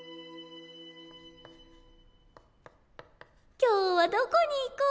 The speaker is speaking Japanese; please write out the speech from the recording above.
今日はどこに行こう。